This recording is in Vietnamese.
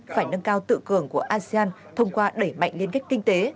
phải nâng cao tự cường của asean thông qua đẩy mạnh liên kết kinh tế